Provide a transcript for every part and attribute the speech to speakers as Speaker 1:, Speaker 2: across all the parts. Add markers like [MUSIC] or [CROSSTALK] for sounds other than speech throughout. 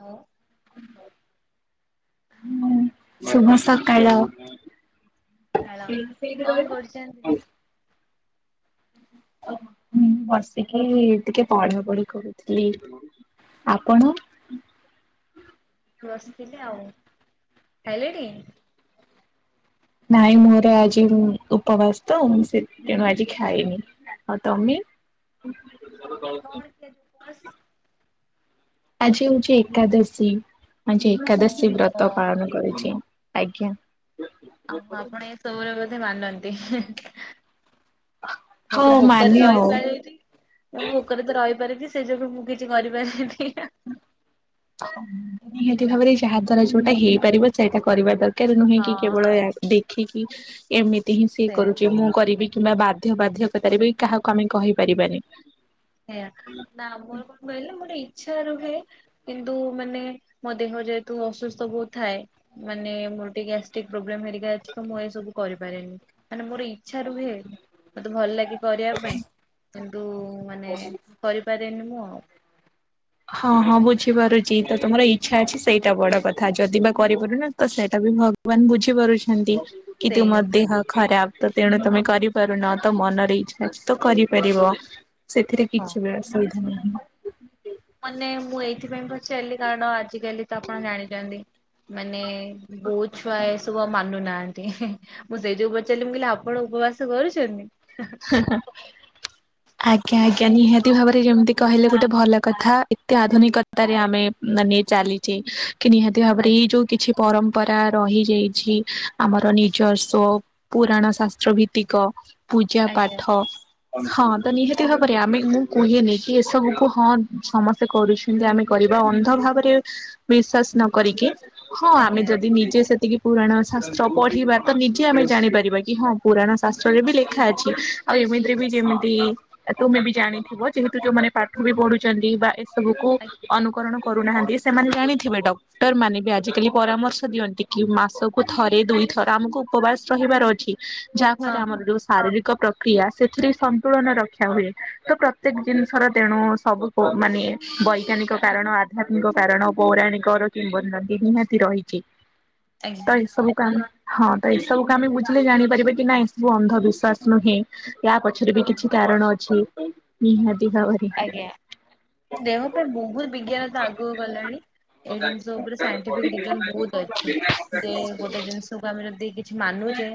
Speaker 1: ହଁ
Speaker 2: ଉଁ ଶୁଭ ସକାଳ।
Speaker 1: କଣ କରୁଛନ୍ତି?
Speaker 2: ମୁଁ ବସିକି ଟିକେ ପଢା ପଢି କରୁଥିଲି। ଆପଣ?
Speaker 1: ବସିଥିଲି ଆଉ ଖାଇଲେଣି?
Speaker 2: ନାଇଁ ମୋର ଆଜି ଉପବାସ ତ ମୁ ସେଥିପାଇଁ ଆଜି ଖାଇନି। ଆଉ ତମେ?
Speaker 1: କଣ କି ଆଜି ଉପବାସ?
Speaker 2: ଆଜି ହଉଛି ଏକାଦଶୀ ଆଜି ଏକାଦଶୀ
Speaker 1: ଓହୋ
Speaker 2: ବ୍ରତ
Speaker 1: ଆଉ
Speaker 2: ପାଳନ କରୁଛି ଆଜ୍ଞା।
Speaker 1: ଆ ଆପଣ ଏ ସବୁୁର ବୋଧେ ମାନନ୍ତି। ମୁଁ
Speaker 2: ହଉ
Speaker 1: ତ ଭୋକରେ
Speaker 2: ମାନେ ଆଉ
Speaker 1: ରହିପାରେନି ମୁଁ ଭୋକରେ ତ ରହିପାରେନି ସେ ଯୋଗୁଁ ମୁଁ କିଛି କରିପାରେନି।
Speaker 2: ହ ନିହାତି ଭାବରେ ଯାହାଦ୍ୱାରା ଯୋଉଟା ହେଇପାରିବ ସେଇଟା କରିବା ଦରକାର। ନୁହେଁ
Speaker 1: ହଁ
Speaker 2: କି କେବଳ
Speaker 1: ହଁ
Speaker 2: ଦେଖିକି ଏମିତି ହିଁ ସିଏ
Speaker 1: ସେଇଆ
Speaker 2: କରୁଛି ମୁଁ କରିବି। କିମ୍ବା ବାଧ୍ୟ ବାଧ୍ୟକତାରେ ବି କାହାକୁ ଆମେ କହିପାରିବାନି।
Speaker 1: ସେୟା ନା ମୋର କଣ କହିଲେ ମୋରେ ଇଚ୍ଛା ରୁହେ କିନ୍ତୁ ମାନେ ମୋ ଦେହ ଯେହେତୁ ଅସୁସ୍ଥ ବହୁତ ଥାଏ ମାନେ ମୋର ଟିକେ ଗ୍ୟାସଟିକ ପ୍ରୋବ୍ଲେମ ହରିକା ଅଛିତ ମୁଁ ଏ ସବୁ କରିପାରେନି ମାନେ ମୋର ଇଛା ରୁହେ ମତେ ଭଲ ଲାଗେ କରିବା ପାଇଁ କିନ୍ତୁ ମାନେ କରିପାରେନି ନାଁଆଉ।
Speaker 2: ହଁ ହଁ ବୁଝିପାରୁଛି ତ ତମର ଇଚ୍ଛା ଅଛି ସେଇଟା ବଡ କଥା। କଥା ଯଦି ବା
Speaker 1: ଆଉ
Speaker 2: କରିପାରୁନ ତ ସେଇଟା ବି ଭଗବାନ ବୁଝି ପାରୁଛନ୍ତି କି
Speaker 1: ସେଇ
Speaker 2: ତୁମ
Speaker 1: କଥା
Speaker 2: ଦେହ ଖରାପ ତ ତେଣୁ ତମେ କରିପାରୁନ ତ ମନରେ ଇଚଛା ତ କରିପାରିବ। ସେଥିରେ
Speaker 1: ହଁ।
Speaker 2: କିଛି ବି ଅସୁବିଧା ନାହିଁ।
Speaker 1: ମାନେ ମୁଁ ଏଇଥିପାଇଁ ପଚାରିଲି କାରଣ ଆଜ କାଲି ତ ଆପଣ ଜାଣିଛନ୍ତି ମାନେ ବହୁତ ଛୁଆ ଏସବୁ ଆଉ ମାନୁନାହାଁନ୍ତି। ମୁଁ ସେଇଯୋଗୁ ପଚାରିଲି ମୁ କହିଲି ଆପଣ ଉପବାସ କରିଛନ୍ତି।
Speaker 2: ହଁ ହଁ। ଆଜ୍ଞା ଆଜ୍ଞା ନିହାତି ଭାବରେ ଯେମିତି କହିଲେ ଗୋଟେ ଭଲ କଥା ଏତେ ଆଧୁନିକ ତାରେ ଆମେ ମାନେ ଚାଲିଛେ କି ନିହାତି ଭାବରେ
Speaker 1: ଆଜ୍ଞା
Speaker 2: ଏଇ ଯୋଉ କିଛି ପରମ୍ପରା ରହିଯାଇଛି ଆମର ନିଜସ୍ୱ ପୁରାଣ ଶାସ୍ତ୍ର ଭିତ୍ତିକ ପୂଜା
Speaker 1: ଆଜ୍ଞା।
Speaker 2: ପାଠ ହଁ ତ
Speaker 1: ଆଜ୍ଞା
Speaker 2: ନିହାତି ଭାବରେ ଆମେ ମୁଁ କୁହେନି କି ଏସବୁକୁୁ ହଁ ସମସ୍ତେ କରୁଛୁ ଏମତି ଆମେ କରିବା ଅନ୍ଧ ଭାବରେ ବିଶ୍ଵାସ ନ କରିକି ହଁ ଆମେ
Speaker 1: ଆଜ୍ଞା
Speaker 2: ଯଦି ନିଜେ ସେତିକି ପୁରାଣ ଶାସ୍ତ୍ର ପଢିବା ତ ନିଜେ ଆମେ ଜାଣିପାରିବା କି ହଁ ପୁରାଣ ଶାସ୍ତ୍ରରେ ବି ଲେଖା ଅଛି। ଆଉ ଏମିତିରେ ବି ଯେମିତି ତୁମେ ବି ଜାଣିଥିବ ଯେହେତୁ ଯୋଉମାନେ ପାଠ ବି ପଢୁଛନ୍ତି ବା ଏସବୁକୁ
Speaker 1: ଆଜ୍ଞା
Speaker 2: ଅନୁକରଣ କରୁନାହାନ୍ତି ସେମାନେ ଜାଣିଥିବେ ଡ ଡକ୍ଟର ମାନେ ବି ଆଜିକାଲି ପରାମର୍ଶ ଦିଅନ୍ତି କି, ମାସକୁ ଥରେ ଦୁଇ ଥର ଆମକୁ ଉପବାସ ରହିବାର ଅଛି।
Speaker 1: ହଁ
Speaker 2: ଯାହାଫଳରେ ଆମର ଯୋଉ ଶାରୀରିକ ପ୍ରକ୍ରିୟା ସେଥିରେ ସନ୍ତୁଳନ ରକ୍ଷା ହୁଏ, ତ ପ୍ରତ୍ୟେକ ଜିନିଷର ତେଣୁ ସବୁ ପ ମାନେ ବୈଜ୍ଞାନିକ କାରଣ ଆଧ୍ୟାତ୍ମିକ କାରଣ ପୌରାଣିକ ର କିମ୍ବଦନ୍ତି ନିହାତି ରହିଛି। [INAUDIBLE]
Speaker 1: ଆଜ୍ଞା
Speaker 2: ତ ଏସବୁକୁ ଆମେ ହଁ ତ ଏସବୁକୁ ଆମେ ବୁଝିଲେ ଜାଣିପାରିବା କି ନାଇ ସବୁ ଅନ୍ଧବିଶ୍ୱାସ ନୁହେଁ। ୟା ପଛରେ
Speaker 1: ହଁ
Speaker 2: ବି କିଛି
Speaker 1: ହଁ।
Speaker 2: କାରଣ ଅଛି ନିହାତି ଭାବରେ।
Speaker 1: ଆଜ୍ଞା ଦେହ ପାଇଁ ବହୁତ ବିଜ୍ଞାନ ତ ଆଗକୁ ଗଲାଣି। ଏଇ ଜିନିଷ ଉପରେ ସାଇଣ୍ଟିଫିକ ରିଜନ ବହୁତ ଅଛି। ଯେ ଗୋଟେ ଜିନି ସ୍ କୁ ଆମେ ଯଦି କିଛି ମାନୁଛେ।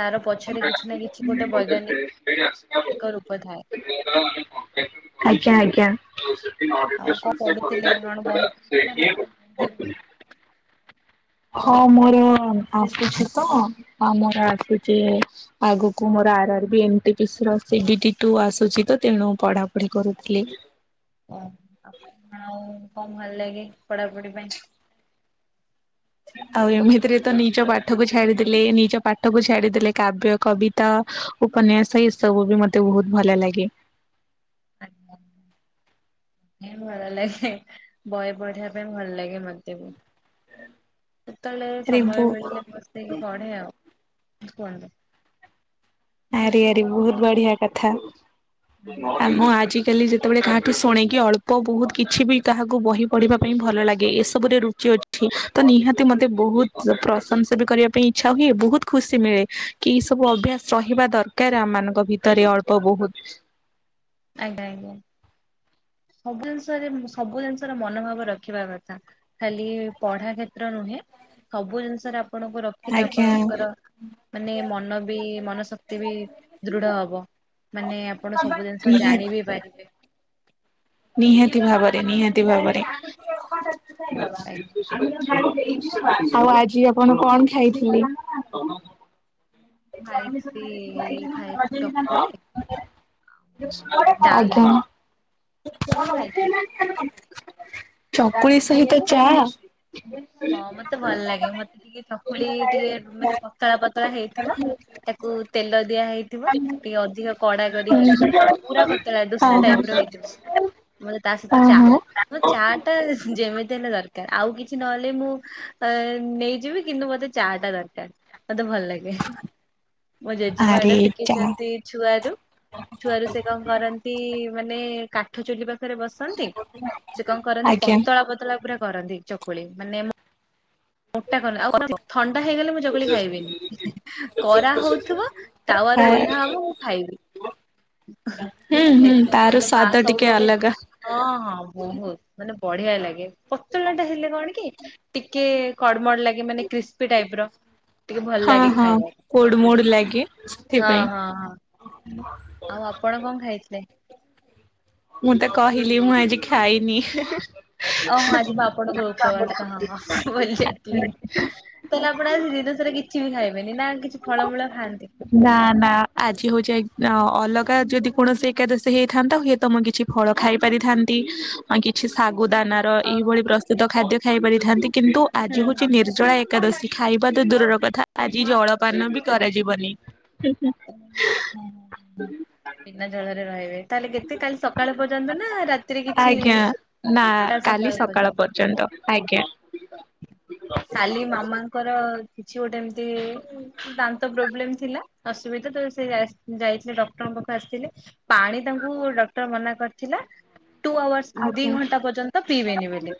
Speaker 1: ତାର ପଛରେ କିଛି ନା କିଛି ଗୋଟେ ବୈଜ୍ଞାନିକ
Speaker 2: [UNINTELLIGIBLE]
Speaker 1: ଏକ ରୂପଥାଏ।
Speaker 2: ଆଜ୍ଞା ଆଜ୍ଞା।
Speaker 1: ଆଉ କଣ ପଢୁଥିଲେ କଣ ବହି ପଢୁଥିଲେ ନା କଣ ପଢୁଥିଲେ?
Speaker 2: [UNINTELLIGIBLE] ହଁ ମୋର ଆସୁଛି ତ ମୋର ଆସୁଛି। ଆଗକୁ ମୋର R R B M P P C ଆସୁଛି ଡି ଡି ଟୁ ଆସୁଛି ତ ତେଣୁ ପଢା ପଢି କରୁଥିଲି।
Speaker 1: ଓ ଆପଣ ଆଉ କଣ ଭଲ ଲାଗେ ପଢାପଢି ପାଇଁ?
Speaker 2: ଆଉ ଏମିତିରେ ତ ନିଜ ପା ଠ କୁ ଛାଡିଦେଲେ। ନିଜ ପାଠ କୁ ଛାଡିଦେଲେ କାବ୍ୟ କବିତା ଉପନ୍ୟାସ ଏ ସବୁ ବି ମତେ ବହୁତ ଭଲ ଲାଗେ।
Speaker 1: ପଢନ୍ତି
Speaker 2: [INAUDIBLE]
Speaker 1: ଭଲ ଲାଗେ ବହି ବଢିବା ପାଇଁ ଭଲ ଲାଗେ ମତେ ବି। ସେତେବେଳେ
Speaker 2: ଆରେ ବୋ
Speaker 1: ସମୟ ମିଳିଲେ ବସେଇକି ପଢେ ଆଉ କୁହନ୍ତୁ।
Speaker 2: ଆରେ ଆରେ ବହୁତ ବଢିଆ କଥା।
Speaker 1: ହୁଁ।
Speaker 2: ଆ ମୁଁ ଆଜି କାଲି ଯେତେବେଳେ କାହାଠୁ ଶୁଣିକି ଅଳ୍ପ ବହୁତ କିଛି ବି କାହାକୁ ବହି ପଢିବା ପାଇଁ ଭଲ ଲାଗେ। ଏସବୁରେ ରୁଚି ଅ ଛି ତ ନିହାତି ମତେ
Speaker 1: ଆଜ୍ଞା
Speaker 2: ବହୁତ ପ୍ରଶଂସା ବି କରିବା ପାଇଁ ଇଛା ହୁଏ। ବହୁତ ଖୁସି ମିଳେ କି ଏଇ ସବୁ ଅଭ୍ୟାସ ସହିବା ଦରକାର ଆମମାନଙ୍କ ଭିତରେ ଅଳ୍ପ ବହୁତ।
Speaker 1: ଆଜ୍ଞା ଆଜ୍ଞା ସବୁ ଜିନିଷରେ ସବୁ ଜିନିଷର ମନୋଭାବ ରଖିବା କଥା। ଖାଲି ପଢା କ୍ଷେତ୍ର ନୁହେଁ, ସବୁ ଜିନିଷରେ ଆପଣଙ୍କୁ ରଖିଲେ
Speaker 2: ଆଜ୍ଞା।
Speaker 1: ଆପଣଙ୍କର ମାନେ ମନ ବି ମନ ଶକ୍ତି ବି ଦୃଢ ହବ। ମାନେ ଆପଣ ସବୁ ଜିନିଷ ଜାଣି
Speaker 2: ନିହାତି
Speaker 1: ବିି ପାରିବେ।
Speaker 2: ନିହାତି ଭାବରେ
Speaker 1: ଆପଣ
Speaker 2: ନିହାତି ଭାବରେ। ଆଉ ଆଜି ଆପଣ କଣ ଖାଇଥିଲେ? [UNINTELLIGIBLE]
Speaker 1: ଖାଇଛି ଖାଇଛି ଚକୁଳି
Speaker 2: [UNINTELLIGIBLE]
Speaker 1: ଚା ଖାଇଛି
Speaker 2: ଆଜ୍ଞା।
Speaker 1: [UNINTELLIGIBLE]
Speaker 2: ଚକୁଳି ସହିତ ଚା।
Speaker 1: ହଁ ମତେ ଭଲ ଲାଗେ, ମତେ ଟିକେ ଚକୁଳି ଟିକେ ମାନେ ପତଳା ପତଳା ହେଇଥିବ। ତାକୁ ତେଲ ଦିଆ ହେଇ ଥିବ, ଟିକେ ଅଧିକ କଡା କରିକି ପୁରା ପତଳା
Speaker 2: ହଁ
Speaker 1: ଦୋସା
Speaker 2: ହଁ।
Speaker 1: ଟାଇପ ର ହେଇଥିବ। ମୋର ତା ସହିତ ଚା
Speaker 2: ଓହୋ।
Speaker 1: ମୁଁ ଚା ଟା ଯେମିତି ହେଲେ ଦର କାର ଆଉ କିଛି ନହେଲେ ମୁଁ ଅ ନେଇଯିବି କିନ୍ତୁ ମତେ ଚା ଟା ଦରକାର। ମତେ ଭଲ ଲାଗେ। ମୋ ଜେଜେମା
Speaker 2: ଆରେ
Speaker 1: ଏଟା
Speaker 2: ଚା
Speaker 1: ଶିଖେଇଛନ୍ତି ଛୁଆରୁ। ଛୁଆରୁ ସେ କଣ କରନ୍ତି ମାନେ କା ଠ ଚୁଲି ପାଖରେ ବସନ୍ତି। ସେ କଣ କରନ୍ତି
Speaker 2: ଆଜ୍ଞା।
Speaker 1: ପତଳା ପତଳା ପୁରା କରନ୍ତି ଚକୁଳି ମାନେ ମୋଟା କର ଆଉ ଥଣ୍ଡା ହେଇଗଲେ ମୁଁ ଚକୁଳି ଖାଇବିନି। କରା ହଉଥିବ ତାୱା ରୁ ଓହ୍ଲା ହବ ମୁଁ ଖାଇବି।
Speaker 2: ହୁଁ ହୁଁ
Speaker 1: ସେଥିପାଇଁ
Speaker 2: ତାର
Speaker 1: ମତେ ମା
Speaker 2: ସ୍ଵାଦ ଟିକେ
Speaker 1: ସବୁବେଳେ
Speaker 2: ଅଲଗା।
Speaker 1: ହଁ ହଁ ବହୁତ ମାନେ ବଢିଆ ଲାଗେ। ପତଳା ଟା ହେଲେ କଣ କି ଟିକେ କଡମଡ ଲାଗେ ମାନେ କ୍ରିସ୍ପି ଟାଇପ ର। ଟିକେ ଭଲ
Speaker 2: ହଁ
Speaker 1: ଲାଗେ
Speaker 2: ହଁ
Speaker 1: ଖାଇବାକୁ।
Speaker 2: କୋଡ୍ ମୋଡ୍ ଲାଗେ
Speaker 1: ହଁ
Speaker 2: ସେଥିପାଇଁ।
Speaker 1: ହଁ ହଁ।
Speaker 2: [INAUDIBLE]
Speaker 1: ଆଉ ଆପଣ କଣ ଖାଇଥିଲେ?
Speaker 2: ମୁଁ ତ କହିଲି, ମୁଁ ଆଜି ଖାଇନି।
Speaker 1: ଓ ହୋ ଆଜି ବା ଆପଣଙ୍କ ଉପବାସ ତ ହଁ ଭୁଲିଯାଇଥିଲି। ତାହେଲେ ଆପଣ ଆଜି ଦିନ ସାରା କିଛି ବି ଖାଇବେନି, ନା କିଛି ଫଳମୂଳ ଖାଆନ୍ତି?
Speaker 2: ନା ନା ଆଜି ହଉଛି ଅଲଗା ଯଦି କୌଣସି ଏକାଦଶୀ ହେଇଥାନ୍ତା ତ ମୁଁ କିଛି ଫଳ ଖାଇ ପାରିଥାନ୍ତି, କିଛି ଶାଗୁ ଦାନାର
Speaker 1: ଓ
Speaker 2: ଏଇଭଳି ପ୍ର ଶୁଦ୍ଧ ଖାଦ୍ୟ ଖାଇ ପାରିଥାନ୍ତି, କିନ୍ତୁ ଆଜି ହଉଛି ନିର୍ଜଳା ଏ ଏକାଦଶୀ ଖାଇବା ତ ଦୂରର କଥା, ଆଜି ଜଳପାନ ବି କରାଯିବନି।
Speaker 1: ବିନା ଜଳରେ ରହିବେ। ତାହେଲେ କେତେ କାଲି ସକାଳ ପର୍ଯ୍ୟନ୍ତ ନା, ରାତିରେ କିଛି
Speaker 2: ଆଜ୍ଞା
Speaker 1: କାଲି ସକାଳ ପର୍ଯ୍ୟନ୍ତ।
Speaker 2: ଆଜ୍ଞା।
Speaker 1: କାଲି ମାମାଙ୍କର କିଛି ଗୋଟେ ଏମିତି ଦାନ୍ତ ପ୍ରୋବ୍ଲେମ ଥିଲା ଅସୁବିଧା ତ ସେ ଯାଇ ଯାଇଥିଲେ, ଡକ୍ଟରଙ୍କ ପାଖକୁ ଆସିଥିଲେ। ପାଣି ତାଙ୍କୁ ଡକ୍ଟର ମନା କରିଥିଲା। ଟୁ ଆୱାର୍ସ ଦି
Speaker 2: ଆଜ୍ଞା।
Speaker 1: ଘଣ୍ଟା ପର୍ଯ୍ୟନ୍ତ ପିଇବେନି ବେଲି,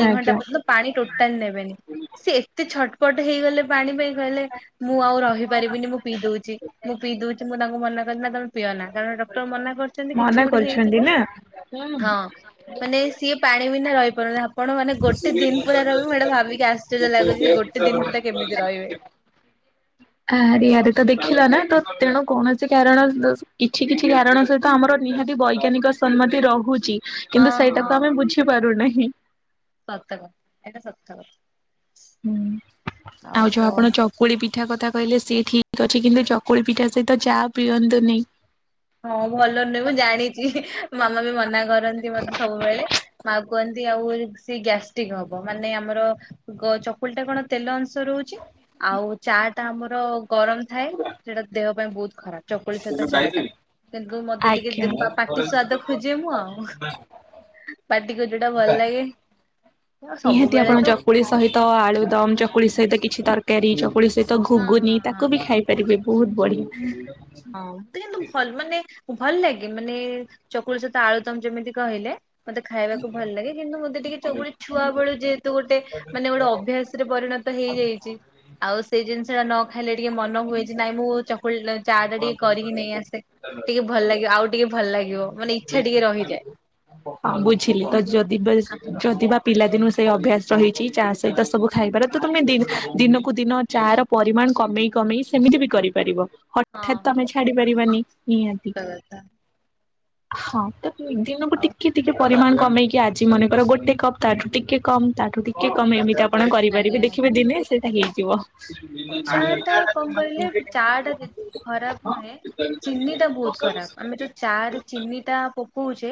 Speaker 1: ଦି ଘଣ୍ଟା ପର୍ଯ୍ୟନ୍ତ ପାଣି ଟୋଟାଲ ନେବେନି।
Speaker 2: ହୁଁ।
Speaker 1: ସେ ଏତେ ଛଟପଟ ହେଇଗଲେ ପାଣି ପାଇଁ କହିଲେ ମୁଁ ଆଉ ରହି ପାରିବିନି, ମୁଁ ପିଇ ଦଉଛି। ମୁଁ ପିଇ ଦଉଛି ମୁଁ ତାଙ୍କୁ ମନା କଲି ନା ତମେ ପିଅନା। କାରଣ ଡକ୍ଟର ମନା କରିଛନ୍ତି କିଛି
Speaker 2: ମନା
Speaker 1: ଗୋଟେ
Speaker 2: କରିଛନ୍ତି
Speaker 1: ହେଇଥିବ।
Speaker 2: ନା। ହୁଁ।
Speaker 1: ମାନେ ସିଏ ପାଣି ବିନା ରହିପାରୁନି। ଆପଣ ମାନେ ଗୋଟେ ଦିନ ପୁରା ରହିବ ମୁଁ ସେଇଟା ଭାବିକି ଆଶ୍ଚଯ୍ୟ ଲାଗୁଛି ଯେ ଗୋଟେ ଦିନ ପୁରା କେମିତି ରହିବେ?
Speaker 2: ହ ଆରେ ଆରେ ତ ଦେଖିଲା ନା, ତ ତେଣୁ କୌଣସି କାରଣ କିଛି କିଛି କାରଣ ସ ତ ଆମର ନିହାତି ବୈଜ୍ଞାନିକ ସମ୍ମତି ରହୁଛି,
Speaker 1: ହଁ
Speaker 2: କିନ୍ତୁ
Speaker 1: ହଁ
Speaker 2: ସେଇଟାକୁ ଆମେ ବୁଝି ପାରୁନେ।
Speaker 1: ସତକଥା ଏଇଟା ସତକଥା।
Speaker 2: ହୁଁ ଆଉ ଯୋଉ ଆପଣ
Speaker 1: କୁହନ୍ତୁ।
Speaker 2: ଚକୁଳି ପି ପିଠା କଥା କହିଲେ ସିଏ ଠିକ୍ ଅଛି, କିନ୍ତୁ ଚକୁଳି ପିଠା ସହିତ ଚା ପିଅନ୍ତୁନି।
Speaker 1: ହଁ ଭଲ ନୁହେଁ ମୁଁ ଜାଣିଛି, ମାମା ବି ମନା କରନ୍ତି ମତେ ସବୁବେଳେ ମା କୁହନ୍ତି ଆଉ ସେ ଗ୍ୟାଷ୍ଟ୍ରିକ ହବ, ମାନେ ଆମର ଚକୁଳି ଟା କଣ ତେଲ ଅଂଶ ରହୁଛି, ଆଉ ଚା ଟା ଆମର ଗରମ ଥାଏ ସେଟା ଦେହ ପାଇଁ ବହୁତ ଖରାପ। ଚକୁଳି ସହିତ ଚା ଟା, କିନ୍ତୁ ମତେ ଟିକେ
Speaker 2: ଆଜ୍ଞା।
Speaker 1: ପାଟି ସ୍ୱାଦ ଖୋଜେ ମୁଁ। ପାଟିକୁ ଯୋଉଟା ଭଲ ଲାଗେ। ଆଉ
Speaker 2: ନିହାତି
Speaker 1: ସବୁବେଳେ
Speaker 2: ଆପଣ
Speaker 1: ତ
Speaker 2: ଚକୁଳି ସହିତ ଆଳୁଦମ,
Speaker 1: ହୁଁ
Speaker 2: ଚକୁଳି ସହିତ କିଛି ତରକାରୀ, ଚକୁଳି ସହିତ ତ
Speaker 1: ହଁ
Speaker 2: ଘୁଗୁନି
Speaker 1: ହଁ
Speaker 2: ତାକୁ ବି ଖାଇ ପାରିବେ, ବହୁତ ବଢିଆ।
Speaker 1: ହଁ ମତେ କିନ୍ତୁ ଭଲ ମାନେ ଭଲ ଲାଗେ ମାନେ ଚକୁଳି ସହିତ ଆଳୁଦମ୍, ଯେମିତି କହିଲେ ମତେ ଖାଇବାକୁ ଭଲ ଲାଗେ, କିନ୍ତୁ ମୋତେ ଟିକେ ଚକୁଳି ଛୁଆବେଳୁ ଯେହେତୁ ଗୋଟେ ମାନେ ଗୋଟେ ଅଭ୍ୟାସରେ ପରିଣ ତ ହେଇଯାଇଚି, ଆଉ ସେଇ ଜିନିଷଟା ନ ଖାଇଲେ ଟିକେ ମନ ହୁଏ ଯେ ନାଇଁ ମୁଁ ଚକୁଳି ଚା ଟା
Speaker 2: ହଁ
Speaker 1: ଟିକେ କରିକି ନେଇ ଆସେ, ଟିକେ ଭଲ ଲାଗିବ। ଆଉ ଟିକେ ଭଲ ଲାଗିବ ମାନେ ଇଚ୍ଛା ଟିକେ ରହିଯାଏ।
Speaker 2: ହଁ ବୁଝିଲି ତ ଯଦି ଯଦି ବା, ପିଲାଦିନୁ ସେଇ ଅଭ୍ୟାସ ରହିଛି ଚା ସ ସହିତ ସବୁ ଖାଇପାର, ତ ତମେ ଦିନକୁ ଦିନ ଚା ର ପରିମାଣ କମେଇ କମେଇ ସେମିତି ବି କରିପାରିବ। ହଠାତ୍
Speaker 1: ହଁ
Speaker 2: ତମେ ଛାଡି ପାରିବାନି ନିହାତି
Speaker 1: ସତ କଥା
Speaker 2: ହଁ [UNINTELLIGIBLE] ସେମାନଙ୍କୁ
Speaker 1: ଆଉ
Speaker 2: ଟିକେ ଟିକେ ପରିମାଣ କମେଇକି, ଆଜି ମନେକର ଗୋଟେ କପ୍ ତାଠୁ ଟିକେ କମ୍ ତାଠୁ ଟିକେ କମ୍ ଏମିତି କମ୍ କରିପାରିବେ,
Speaker 1: ଆଜ୍ଞା
Speaker 2: ଦେଖିବେ ଦିନେ ସେଇଟା ହେଇଯିବ।
Speaker 1: ଚା ଟା କଣ କହିଲେ ଚା ଟା ଖରାପ ନୁହେଁ, ଚିନିଟା ବହୁତ ଖରାପ। ଆମେ ଯୋଉ ଚା ରେ ଚିନିଟା ପକଉଚେ,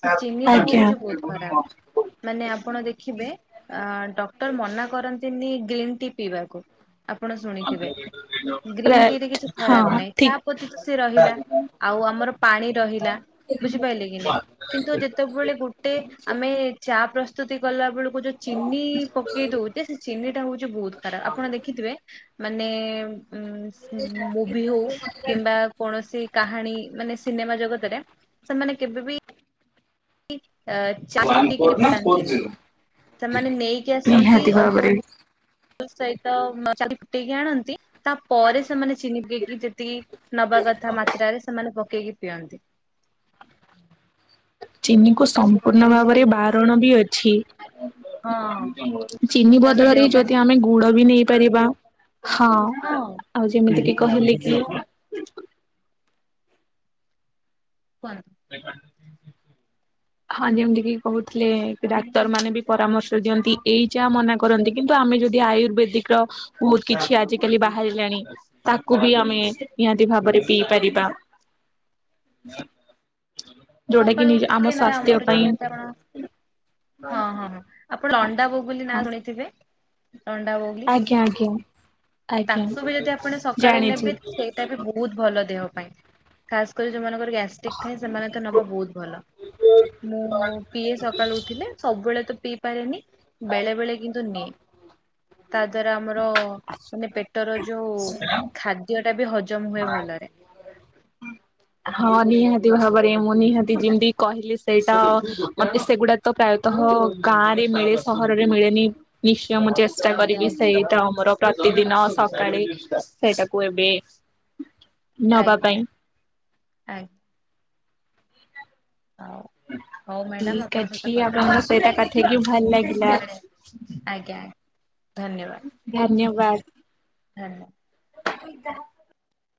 Speaker 1: ସେ ଚିନିଟା ହଉଛି ବହୁତ
Speaker 2: ଆଜ୍ଞା।
Speaker 1: ଖରାପ। ମାନେ ଆପଣ ଦେଖିବେ ଅ ଡକ୍ଟର ମନା କରନ୍ତିନି ଗ୍ରୀନ୍ ଟି ପିଇବାକୁ। ଆପଣ ଶୁଣିଥିବେ, ଗ୍ରୀନ୍ ଟି ରେ କିଛି
Speaker 2: ହଁ
Speaker 1: ଖରାପ ନାହିଁ
Speaker 2: ଠିକ
Speaker 1: ଚା ପତି ତ ସେ ରହିଲା। ଆଉ ଆମର ପାଣି ରହିଲା ବୁଝିପାରିଲେ କି ନାହିଁ, କିନ୍ତୁ ଯେତେବେଳେ ଗୋ ଗୋଟେ ଆମେ ଚା ପ୍ରସ୍ତୁତି କଲା ବେଳକୁ ମୁଁ ଯୋଉ ଚିନି ପକେଇ ଦଉଛେ ସେ ଚିନି ଟା ହଉଛି ବହୁତ ଖରାପ ଆପଣ ଦେଖିଥିବେ ମାନେ ଉ ମୁଭିି ହଉ କିମ୍ବା କୌଣସି କାହାଣୀ ମାନେ ସିନେମା ଜଗତରେ ସେମାନେ କେବେବି ଚା ପିଇକରି ପୁରାନ୍ତିନି ସେମାନେ ନେଇକି ଆସନ୍ତି
Speaker 2: ନିହାତି ଭାବରେ
Speaker 1: ଅଙ୍ଗୁ ତା ସହିତ ଚା ଫୁଟେଇକି ଆଣନ୍ତି। ତାପରେ ସେମାନେ ଚିନି ପୁରେଇକି ଯେତିକି ନବା କଥା ମାତ୍ରାରେ ସେମାନେ ପକେଇକି ପିଅନ୍ତି।
Speaker 2: ଚିନିକୁ
Speaker 1: କାରଣ
Speaker 2: ସମ୍ପୂର୍ଣ୍ଣ
Speaker 1: କୁହନ୍ତି ଯେ
Speaker 2: ଭାବରେ ବାରଣ ବି ଅଛି।
Speaker 1: ହଁ
Speaker 2: ଚିନି
Speaker 1: କାରଣ
Speaker 2: ବଦଳରେ
Speaker 1: ଦେହ ପାଇଁ
Speaker 2: ଯଦି ଆମେ ଗୁ ଗୁଡ ବି ନେଇପାରିବା ହଁ।
Speaker 1: ହଁ।
Speaker 2: ଆଉ ଯେମିତି କି କହିଲି କି
Speaker 1: କୁହନ୍ତୁ [UNINTELLIGIBLE]
Speaker 2: [INAUDIBLE] ହଁ ଯେମତିିକି କହୁଥିଲେ ଡାକ୍ତର ମାନେ ବି ପରାମର୍ଶ ଦିଅନ୍ତି ଏଇ ଚାହା ମନା କରନ୍ତି କିନ୍ତୁ ଆମେ ଯଦି ଆୟୁର୍ବେଦିକ ର ବହୁତ କିଛି ଆଜିକାଲି ବାହାରିଲାଣି। ତାକୁ ବି ଆମେ
Speaker 1: ବହୁତ
Speaker 2: ନିହାତି ଭାବରେ ପିଇ ପାରିବା। ହୁଁ [INAUDIBLE]
Speaker 1: ସକାଳୁ ଉଠିଲେ ନା ଆମର ଯୋଉ କଣ ହଁ ହଁ ହଁ ଆପଣ ଲଣ୍ଡା ବ ବୋଲି ନାଁ
Speaker 2: ହଁ
Speaker 1: ଶୁଣିଥିବେ ଲଣ୍ଡା ବ ଲି
Speaker 2: ଆଜ୍ଞା ଆଜ୍ଞା। ଆଜ୍ଞା
Speaker 1: ତାକୁ ବି ଯଦି ଆପଣ ସକାଳେ
Speaker 2: ଜାଣିଛି।
Speaker 1: ନେବେ ସେଇଟା ବି ବହୁତ ଭଲ ଦେହ ପାଇଁ ଖାସ କରି ଯୋଉମାନଙ୍କର ଗ୍ୟାଷ୍ଟ୍ରିକ୍ ଥାଏ ସେମାନେ ତ ନବା ବହୁତ ଭଲ। ମୁଁ ପିଏ ସକାଳୁ ଉଠିଲେ ସବୁବେଳେ ତ ପିଇପାରେନି ବେଳେ ବେଳେ କିନ୍ତୁ ନିଏ ତା ଦ୍ଵାରା ଆମର ମାନେ ପେ ପେଟର ଯୋଉ ଖାଦ୍ୟ ଟା ବି ହଜମ ହୁଏ ଭଲରେ।
Speaker 2: ହଁ ନିହାତି ଭାବରେ ମୁଁ ନିହାତି ଯେମିତି କହିଲି ସେଇତ ଅତି ସେଗୁଡା ତ ପ୍ରାୟତଃ ଗାଁରେ ମିଳେ ସହରରେ ମିଳେନି ନିଶ୍ଚୟ ମ୍ଚ୍ ଚେଷ୍ଟା
Speaker 1: ଆଜ୍ଞା
Speaker 2: କରିବି
Speaker 1: ଆଜ୍ଞା
Speaker 2: ସେଇଟା ଆମର ପ୍ରତିଦିନ ସକାଳେ ସେଇଟାକୁ ଏବେ ନବା
Speaker 1: ଆଜ୍ଞା
Speaker 2: ପାଇଁ।
Speaker 1: ଆଗ୍ ହଉ ହଉ ମ୍ୟାଡାମ
Speaker 2: ଠିକ
Speaker 1: ଆପଣଙ୍କ ସହିତ
Speaker 2: ଅଛି
Speaker 1: କଥା
Speaker 2: ଆଣଙ୍କ
Speaker 1: ହେଇକି
Speaker 2: ସହିତ କଥା ହେଇକିି ଭଲ ଲାଗିଲା।
Speaker 1: ଆଜ୍ଞା ଆଜ୍ଞା ଧନ୍ୟବାଦ।
Speaker 2: ଧନ୍ୟବାଦ।
Speaker 1: ଧନ୍ୟ